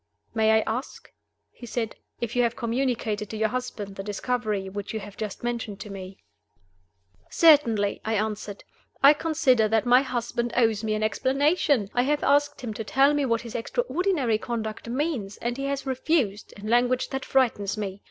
"May I ask," he said, "if you have communicated to your husband the discovery which you have just mentioned to me?" "Certainly!" I answered. "I consider that my husband owes me an explanation. I have asked him to tell me what his extraordinary conduct means and he has refused, in language that frightens me.